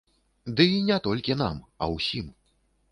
Ды і не толькі нам, а ўсім.